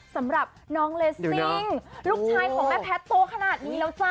สำหรับน้องเลสซิ่งลูกชายของแม่แพทย์โตขนาดนี้แล้วจ้ะ